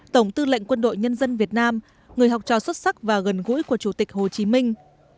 tổng tư lệnh quân đội nhân dân việt nam người học trò xuất sắc và gần gũi của chủ tịch hồ chí minh